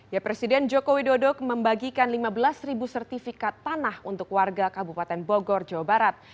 ya presiden joko widodo membagikan lima belas sertifikat tanah untuk warga kabupaten bogor jawa barat